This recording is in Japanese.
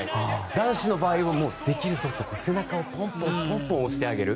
男子の場合はできるぞとか背中をポンポン押してあげる。